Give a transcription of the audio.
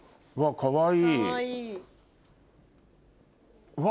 かわいい。